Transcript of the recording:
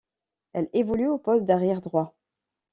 Elle évolue au poste d'arrière droit.